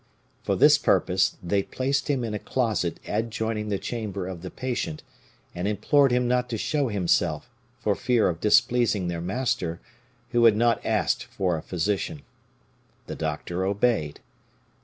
For this purpose, they placed him in a closet adjoining the chamber of the patient, and implored him not to show himself, for fear of displeasing their master, who had not asked for a physician. The doctor obeyed.